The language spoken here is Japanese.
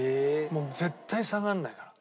もう絶対下がんないから。